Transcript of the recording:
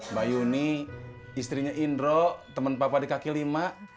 mbak yuni istrinya indro teman papa di kaki lima